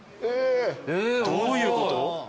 どういうこと？